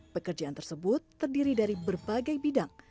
pekerjaan tersebut terdiri dari berbagai bidang